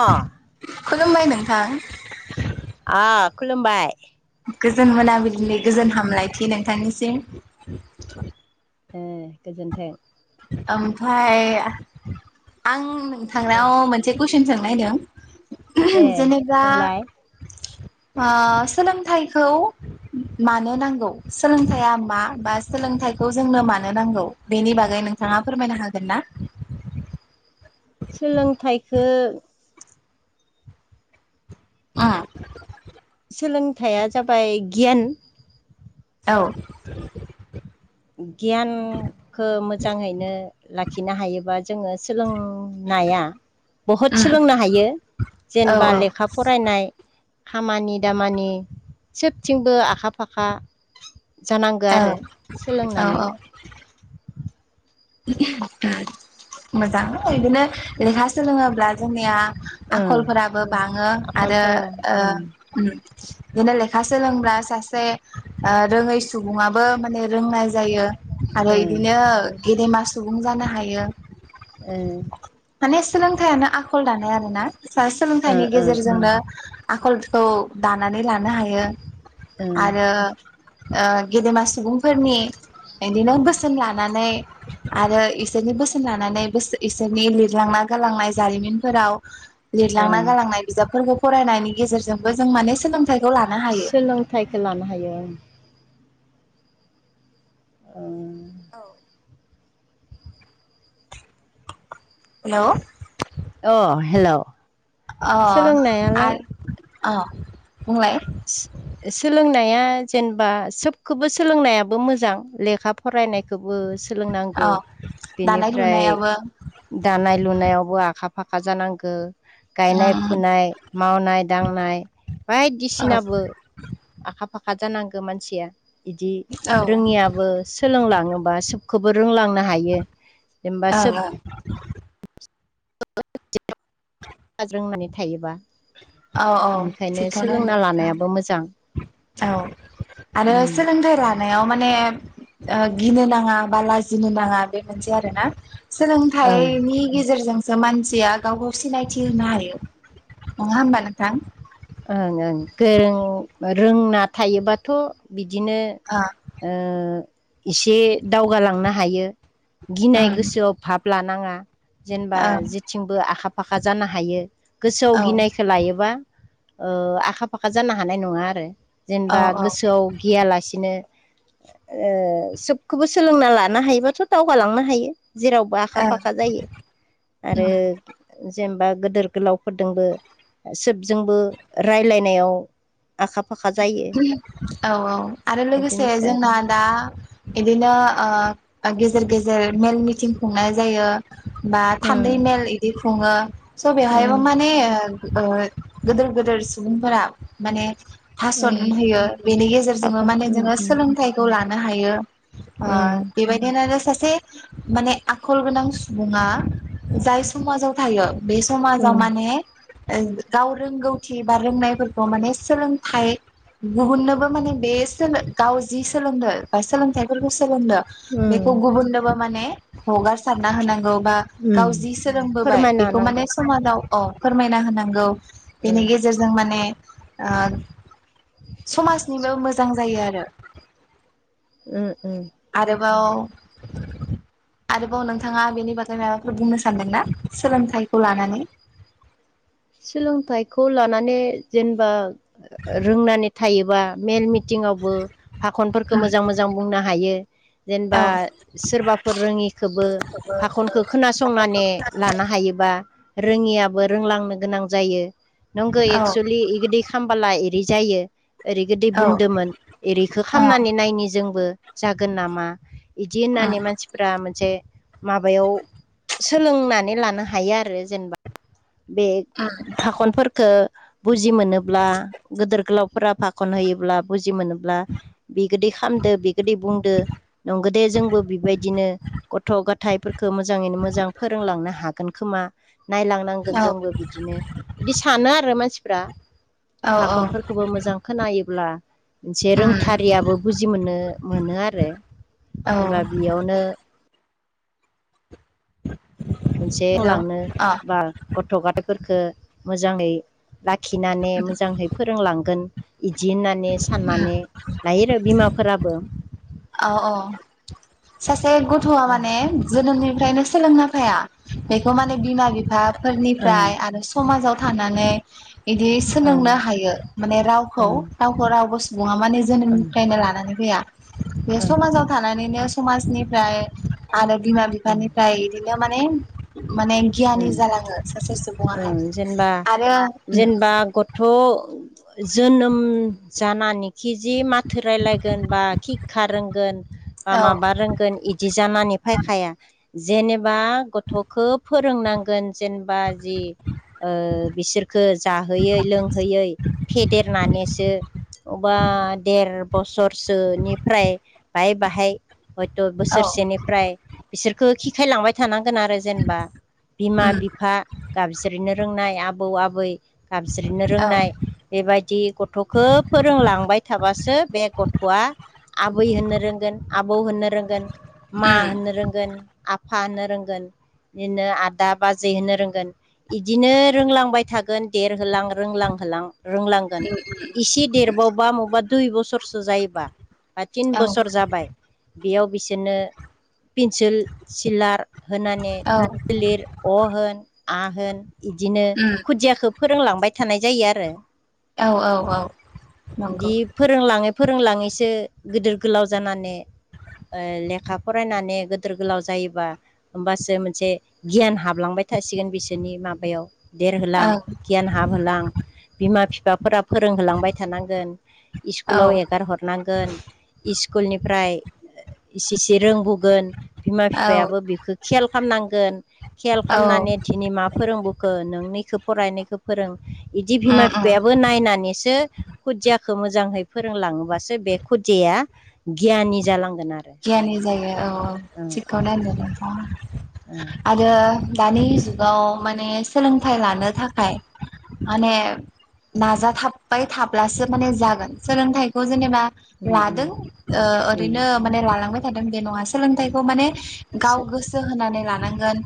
अ खुलुमबाय नोंथां अ खुलुमबाय। गोजोन मोनाबिलिनि गोजोन हामलायथि नोंथांनिसिम। हो गोजोन्थों। ओमफ्राय आं दे नोंथांनाव मोनसे कुइसन सोंनायदों दे जेनेबा सोंलाय ओ सोलोंथाइखौ मानो नांगौ? सोलोंथाइया मा बा सोलोंथाइखौ जोंनो मानो नांगौ बेनि बागै नों नोंथाङा फोरमायनो हागोन ना? सोलोंथाइखो आ। सोलोंथाइया जाबाय गियान औ। गियानखो मोजाङैनो लाखिनो हायोबा जोङो सोलों नाया बहुद उम सोलोंनो हायो औ जेनेबा लेखा फरायनाय खामानि दामानि सोबथिंबो आखा फाखा जानांगो औ आरो! औ सोलोंनानै औ। मोजां इदिनो लेखा सोलोङोब्ला जोंनिया ओ आखलफोराबो बाङो आरो आखलफोरा ओं ओ-ओम बिदिनो ले लेखा सोलोंब्ला सासे ओ रोङै सुबुङाबो माने रोंनाय जायो। आरो ओ इदिनो गेदेमा सुबुं जानो हायो ओ माने सोलोंथाइयानो आखल दानाय आरोना ओ सा-सोलोंथाइनि ओ ओ गेजेरजोंनो आखलखौ दानानै लानो हायो ओ आरो ओ गेदेमा सुबुंफोरनि इदिनो बोसोन लानानै आरो इसोरनि बोसोन लानानै बोसो एसोरनि लिरलांना गालांनाय जारिमिनफोराव लिरलांना ओ गालांनाय बिजाबफोरखौ फरायनायनि गेजेरजोंबो जों माने सोलों सोलोंथाइखो लानो हायोम। ओं। औ। हेलौ। ओ अ हेल' अ सोलोंनायालाय आर अ। बुंलाय। सि-सोलोंनाया जेनेबा सोबखोबो सोलोंनायाबो मोजां लेखा फरायनायखोब बो औ सोलोंनांगौ दानाय बेनिफ्राय लुनायाबो दानाय लुनायावबो आखा फ फाखा जानांगो गायनाय उम फुनाय मावनाय दांनाय बायदिसि औ बो आखा फाखा जानांगौ मानसिया। इदि औ ओं रोङियाबो सोलोंलाङोबा सोबखोबो रोंलाङ नाहायो जेनेबा सोब ओं [inaudible] गाज्रों नानै थायोबा औ औ बेनिखायनो थिगखौनो होनदों सोलोंना नोंथां लानायाबो मोजां। औ आरो उम सोलोंथाइ रानाय याव माने ओ गिनो नाङा बा लाजिनो नाङा। बे मोनसे आरोना ओं सोलोंथाइनि गेजेरजों जामानसिया गावखौ सिनायथि होनो हायो नङा होमबा नोंथां। ओं ओं गोरों रोंना थायोबाथ' बिद बिदिनो ओ ओ एसे दावगालांनो हायो। गिनाय उम गोसोआव फाब लानाङा जेनेबा ओं जेथिंबो आखा फ फाखा जानो हायो गोसोआव औ गिनायखो लायोबा ओ आखा फाखा जानो हानाय नङा आरो औ जेनेबा औ गोसोआव गियालासिनो ओ सोबखोबो सोलोंना लानो हायोबाथ' दावगालांनो हायो। जेरावबो आखा ओ फाखा जायो आरो। उम जेनेबा गोदोर गोलावफोरदोंबो सोबजोंबो रायलायनायाव आखा फाखा जायो। उहुम औ औ आरो लोगोसे बिदिनोसै आरो जोंना दा इदिनो ओ ओ गेजेर गेजेर मेल मिटिं खुंनाय जायो। बा थान्दै उम मेल इदि खुङो स' उम बेवहायबो माने ओ ओ गोदोर गोदोर सुबुंफोरा माने हासन उम होयो बेनि गेजेरजोंङो हाखौनो माने जोङो उम सोलोंथाइखौ लानो हायो। ओ उम बेबायदिनो-नो सास सि माने आखल गोनां सुबुङा जाय समाजाव थायो बे उम समाजाव माने ओं गाव रोंगौथि बा रोंनायफोरखौ माने सोलों थाय गुबुननोबो माने बे सोलो गाव जि सोलोंदो बा सोलोंथाइफोरखौ सो सोलोंनो बेखौ उम गुबुनबो माने हगारसारना होनांगौ। बा उम गाव जि सोलोंबोबाय फोरमायना बेखौ होनांगो माने समादाव अ फोरमायना होनांगौ। बेनि उम गेजेरजों माने ओ समाजनिबो मोजां जायो आरो उम उम। बाव आरोबाव नोंथाङा बेनि बागै माबाफोर बुंनो सानदोंना सोलोंथाइखौ लानानै [inaudible] सोलोंथाइखौ लानानै जेनेबा रोंनानै थायोबा मेल मि टिंयावबो फाखनफोरखौ उम मोजां मोजां बुंनो हायो। जेनेबा औ सोरबाफोर रोङिखौबो फाखनखौ खोनासंनानै लानो हायोबा रोङियाबो रोंलांनो गोनां जायो नंगौ औ एक्सुेलि बिदि खालामोबोला एर जायो ओरै गोदै औ बुंदोंमोन। ओरैखौ अ खालामामनानै नायनि जोंबो जागोन नामा बिदि उम होननानै मानसिफ्रा मोनसे माबायाव सोलोंनानै लानो हायो आरो जेनेबा बे उम फाखनफोरखौ बुजि मोनोब्ला गिदोर गोलावफोरा फाखन होयोब्ला बुजि मोनोब्ला बे गोदै खालामदो बि गोदै बुंदो नंगौदे जोंबो बेबायदिनो गथ' गथायाइफोरखौ मोजाङैनो मोजां फोरों लांनो हागोन। जागोन खोमा नायलांनांगोन औ जोंबो बिदिनो। बिदि सानो आरो मानसिफ्रा औ औ फाखनफोरखौबो मोजां खोनायोब्ला मोनसे उम रोंथारियाबो बुजि मोननो मोनो आरो। औ जेनेबा बेयावनो मोनसे हेलौ लांनो अ बा गथ' गथ'गथाफोरखौ मोजाङै लाखिनानै मोजांहै फोरोंलांगोन बिदि होननानै उम साननानै लायो आरो बिमाफोराबो। औ औ सासे गथ'आ माने जोनोमनिफ्रायनो सोलोंना फाया। बेखौ माने बिमा ओ बिफाफोरनिफ्राय आरो समाजाव थानानै बिदि ओ सोलोंनो हायो माने ओ रावखौ- रावखौ रावबो सुबुङा माने ओ जोनोमनिफ्रायनो लानानै फैया बे ओ समाजाव थानानैनो समा समनिफ्राय आरो बिमा बिफानिफ्राय बिदिनो माने माने गियानि उम जालाङो सासे उम सुबुङाहाय जेनेबा आरो उम जेनेबा गथ' जोनोम जानानै खिजि माथो रायलायगोन बा हिखा रोंगोन बा- औ माबा रोंगोन बिदि जानानै फायखाया जेनेबा गथ'खौ फोरोंनांगोन जेनेबा जि बिसोरखो जाहोयै लोंहोयै फेदेरनानैसो अबबा देर बोसोरसोनिफ्राय बाहाय -बाहाय हयथ' औ बोसोरसेनिफ्राय बिसोरखौ हिखायलांबाय थानांगोन आरो जों उम बिमा- बिफा गाबज्रिनो रोंनाय आबौ- आबै गाबज्रिनो औ रोंनाय बेबायदि गथ'खौ फोरोंलांबाय थाबासो बे गथ' आबै होननो रोंगोन आबौ होननो रोंगोन मा उम होननो रोंगोन आफ होनन रोंगोन बिदिनो आदा -बाजै होनो रोंगोन बिदिनो रोंलांबाय थागोन देरहोलां रोंलांहोलां रोंलांगोन उम इसे देरबावबा बबावबा दुइ बोसोरसो जायोबा बा थिन औ बोसोर जाबाय बेयाव बिसोरनो पिन्सिल सिलार होनानै लिर अ होन आ होन इदिनो उम खुदियाखौ फोरोंलांबाय थानाय जायो आरो। औ औ औ नंगौ बिदि फोरोंलाङो फोरोंलाङैसो गिदिर गोलाव जानानै लेखा फरायनानै गोदोर गोलाव जायोबा होमबासो मोनसे गियान हाबलांबाय थासिगोन बिसोरनि माबायाव देरहोलां ओं गियान हाबहोलां बिमा बिफाफोरा फोरोंहोलांबाय थानांगोन। औ इस्कुलाव एगार हरनांगोन इस्कुलनिफ्राय इसे इसे रोंबोगोन बिमा औ बिफायाबो बेखौ खेल खालामनां गोन। खेल खालामनानै उम दिनै मा फोरोंबोखो नों इखौ फराय नोय इखौ फोरों इदि बिमा उम बिफायाबो नायनानैसो खुदिया खौ मोजाङै फोरोंलाङोबासो बे खुदिया गियानि जालांगोन आरो गियानि जायो औ औ ओ ओ थिगखौनो होनदों ओ नोथाङा। दानि जुगाव माने सोलोंथाइ लानो थाखाय माने नाजाथाबबाय थाब्लासो माने जागोन सोलोंथाइखौ जेनेबा उम उम लादों ओ उम ओरैनो माने लालांबाय थादों बे नङा सोलोंथाइखौ माने गाव सो गोसो होनानै लानांगोन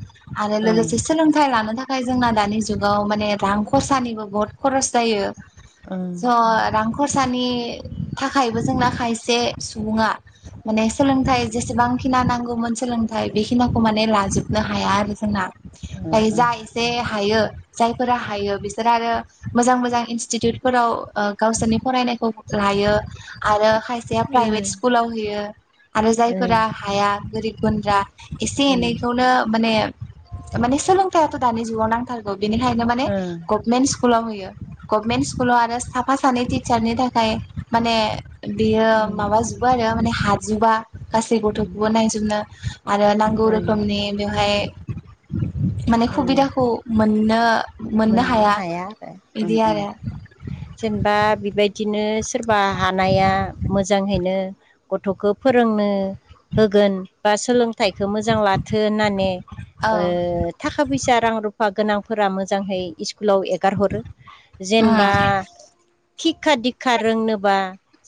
आरो ओ लोगोसे सोलोंथाइ लानो थाखाय जोंना दानि जुगाव माने रां खरसानिबो बहुत खरस जायो ओ ज' खरसानि थाखायबो जोंना खायसे सुबुङा माने सोलोंथाइ जेसेबांखिना नांगौमोन सोलोंथाइ बेखिनिखौ माने लाजोबनो हाया आरो जोंना। ओ दायो ओ उम ओ जा एसे हायो जायफोरा हायो बिसोर आरो मोजां मोजां इनस्टिटिउटफोराव ओ गावसोरनि फरायनाय खौ लायो आरो खायसेया प्राइभेट स्कुलाव होयो आरो जायफोरा हाया गोरिब गुन्द्रा एसे एनैखौनो माने माने सोलोंथायाइाथ' दानि जुगाव नांथारगौ बेनिखायनो माने गभनमेन्ट स्कुलाव होयो गभनमेन्ट स्कुलाव आरो साफा सानै टिचारनि थाखाय माने बियो उम माबाजोबो आरो माने हा जोबा गासै उम गथ'खौबो नायजोबनो आरो नांगौ ओं रोखोमनि बेवहाय माने ओं सुबिदाखौ मोननो मोननो हाया आरो ओं बिदि ओं आरो जेनेबा बेबायदिनो सोरबा हानाया मोजांहैनो गथ'खौ फोरोंनो होगोन बा सोलों थाइखौ मोजां लाथो होननानै औ ओ थाखा फैसा रां रुफा गोनांफोरा मो जाङै स्कुलाव ए गारहरो जेनेबा उम खिक्खा दिक्षखा रोंनोबा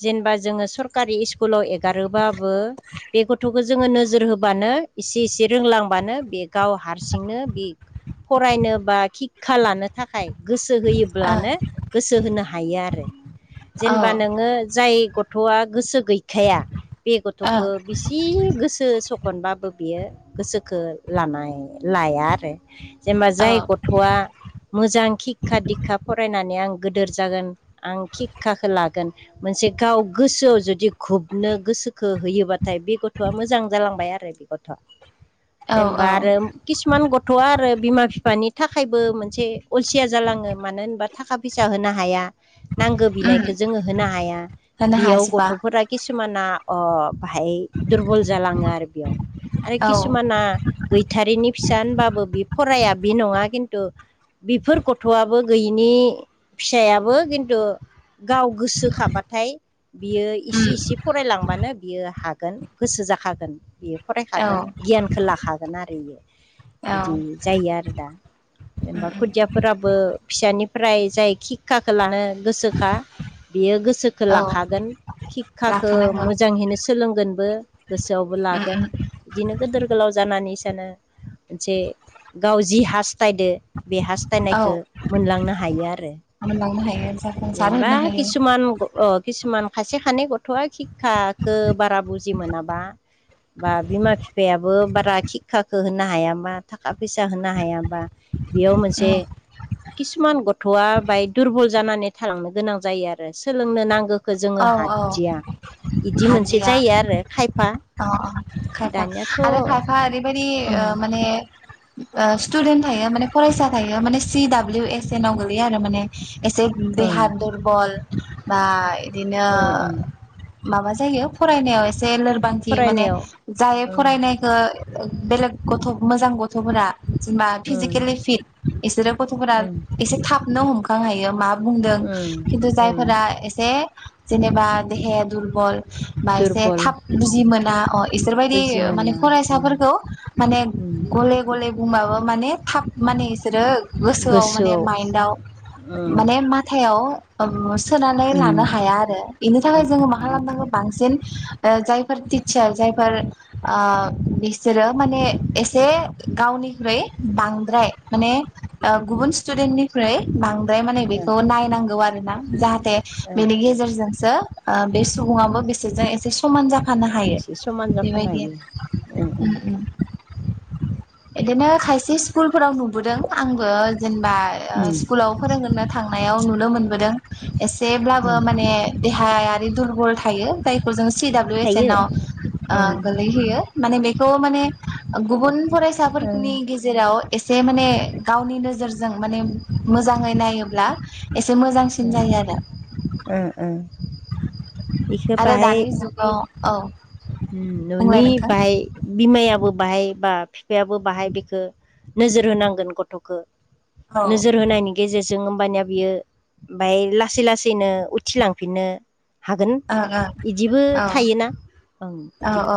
जेनेबा जोङो सरकारि स्कुलाव एगारोबाबो बे गथ'खौ जोङो नोजोर होबानो एसे इसे रोंलांबानो बे गाव हारसिंनो बे फरायनोबा हिखा लानो थाखाय गोसो ओ औ होयोब्लानो गोसो होनो हायो आरो जेनेबा नोङो जाय ग थ'आ गोसो गैखाया बे ओ गथ'खौ बिसि गोसो ज खनबाबो बियो गोसोखौ लानाय लाया आरो जेनेबा औ जाय गथ'आ मोजां सिक्षा दिक्षा फरायनानै आं गोदोर जागोन आं खिक्षाखौ लागोन मोनसे गाव गोसोआव जुदि खुबनो गोसो खो होयोबाथाय बे गथ'आ मोजां जालांबाय आरो बे गथ'आ औ जेनबा औ आरो किसुमान गथ'आ आरो बिमा बिफानि थाखायबो मोन से अलसिया जालाङो मानो होनबा थाखा फैसा होनो हाया नांगौ उम बिनायखौ जोङो होनो हाया होनो बेयाव हाजोबा गथ'फोरा किसुमाना अ बाहाय दुरबल जालाङो आरो बेयाव आरो औ किसुमाना गैथारिनि फिसा होनबाबो बि फराया बि नङा खिन्थु बेफोर गथ'आबो गैयिनि फिसायाबो खिन्थु गाव गोसोखाबाथाय बियो उम इसे इसे फरायलांबानो बियो हा गोन गोसो जाखागोन बेयो औ फरायखागोन गियानखौ लाखागोन आरो बियो। औ बिदि उम जायो आरो दा जेनेबा उम बिदियाफोराबो फिसानिफ्राय जाय खिक्षाखौ लानो गोसोखा बियो गोसोखो औ लाखागोन। हिखाखो लाखानांगौ मोजांहैनो सोलोंगोनबो गोसोआवब उम लागोन इदिनो गोदोर गोलाव जानानै स नो मोनसे गाव जि हास्थायदो। बे औ हास्थायनायखो मोनलांनो हायो आरो। मोनलांनो हायो जाफुंसार जेनबा होनो हायो किसुमान ग अ किसुमान खसे खानै ग थ'आ हिखो बारा बुजि मोनाबा बा बिमा बिफायाबो बारा हिखाखौ होनो हायामा थाखा फैसा होनो हायाबा बेयाव मोनसे उम किसुमान ग थ'आ बाय दुरबल जानानै थालांनो गोनां जायो आरो सोलोंनो नांगो खो औ जोङो औ हादिया यिदि मोनसे हादिया जायो आरो खायफा। अ अ खायफा दानियाथ' आरो खायफा ओरैबायदि ओ ओम माने ओ स्टुडेन्ट थायो माने फरायसा थायो माने सि डाब्लिउ एस एन नाव गोल लैयो आरो माने एसे ओम देहा दुरबल बा ण ओम ओम माबा जायो फरायनायाव एस से लोरबांथि माने फरायनायाव जाय ओम फरायनायखो बेलेग गथ' मोजां गथ'फोरा। जेनबा ओम फिजिकेलि फिट इसोरो गथ'फोरा ओम एसे थाबनो हमखां हायो। मा बुंदों ओम खिन्थु ओम जायफोरा एसे जेनेबा देहाया दुरबल बा एसे दुरबल थाब बुजि मोना अ बुजि इसोरबायायदि माने मोना ओम फरायसाफोरखौ माने उम गले गले ब माने थाब माने गसोरो गोसोआव माने माइन्दआव उम माने मथायाव ओम सोनानै लानो उम हाया आरो बेनि थाखाय जोङो मा खालामनांगो बांसिन ओ जायफोर टितचार जायफोर ओ बिसोरो माने एसे गावन निफ्राय बांद्राय माने ओ गुबुन स्टुदेननिख्रय बां द्राय माने बेखौ नायनांगौ आरो ना जाहाथे उम बेनि गेजेरजोंसो ओ बे सुबुङाबो बिसोजों एसे समान जाफ फानो हायो एसे समान जाफानो बेबायदि हायो आरो उम उम । इदिनो खायसे स्कुलफोराव नुबोदों आंबो। जेनेबा ओ उम स्कुलाव फोरोंगोननो थांनायाव नुनो मोनबोदों एसेब्लाब फो उम माने देहायारि दुरबाऋ थायो जायखौ जों सिडाबलिउ एस एन थायो आव उम गोलैहोयो माने बेखौ माने गुबुन फरायसाफोरख ओ फोरनि गेजेराव एसे माने गावनि नोजोर ज जों माने मोजाङै नायोब्ला एसे मोजांसिन जायो आरो। ओ बेखौ आरो बाहाय दानि जुगाव औ। उम बुंलाय न'नि नोंथां बाहाय बिमायाबो बाहाय बा बिफायाबो बाहाय बेखो नोजोर होनांगोन गथ'खो। औ ओं नोजोर होनायनि गेजेर जों होमबानिया बियो बमाय लासै लासैनो उथिलांफिननो। हागोन ओं यिदिबो औ थायोना ओं औ इदि औ